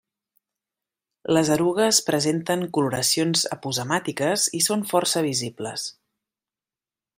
Les erugues presenten coloracions aposemàtiques i són força visibles.